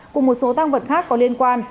cùng một số tăng vật khác có liên quan